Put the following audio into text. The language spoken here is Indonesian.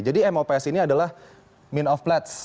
jadi mops ini adalah mean of pledge